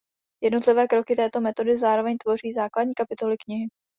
Jednotlivé kroky této metody zároveň tvoří základní kapitoly knihy.